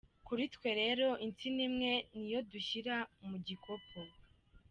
"Kuri twe rero, insina imwe ni yo dushyira mu gikopo.